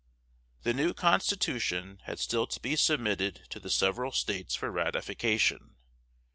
The new constitution had still to be submitted to the several states for ratification.